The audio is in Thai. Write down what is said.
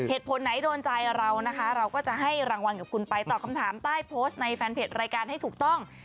ไหนโดนใจเรานะคะเราก็จะให้รางวัลกับคุณไปตอบคำถามใต้โพสต์ในแฟนเพจรายการให้ถูกต้อง